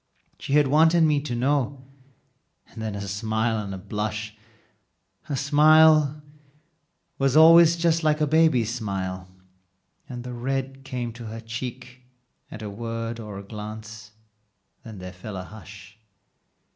"She had wanted me to know," and then a smile and a blush; Her smile was always just like a baby's smile, and the red Came to her cheek at a word or a glance then there fell a hush.